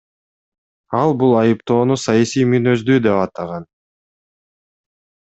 Ал бул айыптоону саясий мүнөздүү деп атаган.